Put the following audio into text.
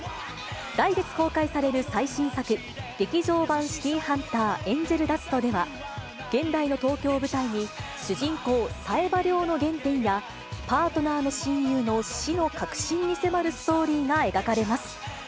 来月公開される最新作、劇場版シティーハンター天使の涙では、現代の東京を舞台に、主人公、冴羽りょうの原点や、パートナーの親友の死の核心に迫るストーリーが描かれます。